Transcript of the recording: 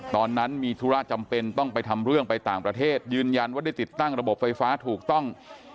ตอนนั้นมีธุระจำเป็นต้องไปทำเรื่องไปต่างประเทศยืนยันว่าได้ติดตั้งระบบไฟฟ้าถูกต้อง